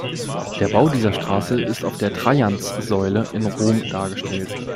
Der Bau dieser Straße ist auf der Trajanssäule in Rom dargestellt.